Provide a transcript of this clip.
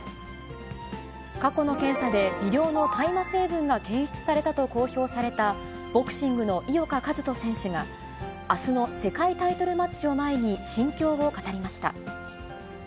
過去の検査で微量の大麻成分が検出されたと公表された、ボクシングの井岡一翔選手が、あすの世界タイトルマッチを前に心境を語りました。